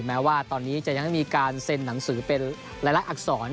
แม้ว่าตอนนี้จะยังไม่มีการเซ็นหนังสือเป็นหลายอักษร